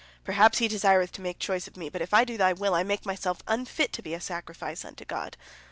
Perhaps He desireth to make choice of me, but if I do thy will, I make myself unfit to be a sacrifice unto God.